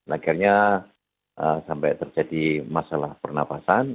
akhirnya sampai terjadi masalah pernapasan